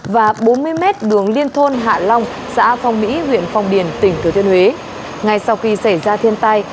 và bốn mươi m đường liên thôn hạ long xã phong mỹ huyện phong điền tỉnh thứa thiên huế